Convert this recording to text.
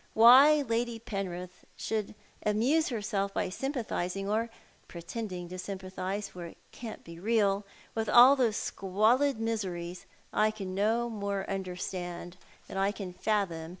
^Vhy Lady Penrith should amuse herself by sympathising — or pretending to sympathise, for it can't be real — with all those squalid miseries I can no more understand than I can fathom For Paternal Perusal.